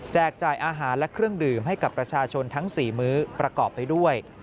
จ่ายอาหารและเครื่องดื่มให้กับประชาชนทั้ง๔มื้อประกอบไปด้วย